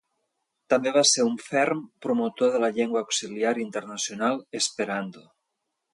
També va ser un ferm promotor de la llengua auxiliar internacional esperanto.